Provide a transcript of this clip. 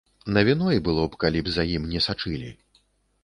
Навіной было б, калі б за ім не сачылі.